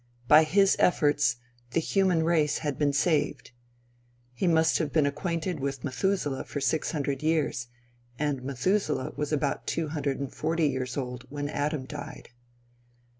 By his efforts, the human race had been saved. He must have been acquainted with Methuselah for six hundred years, and Methuselah was about two hundred and forty years old, when Adam died.